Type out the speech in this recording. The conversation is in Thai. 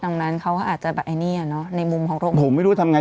เออดังนั้นเขาอาจจะแบบไอ้เนี้ยเนอะในมุมของโรคผมไม่รู้ว่าทำไง